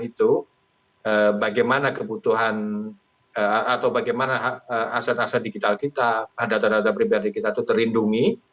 itu bagaimana kebutuhan atau bagaimana aset aset digital kita data data pribadi kita itu terlindungi